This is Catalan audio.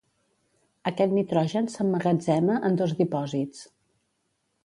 Aquest nitrogen s'emmagatzema en dos dipòsits.